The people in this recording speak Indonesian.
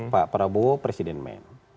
pak prabowo presiden men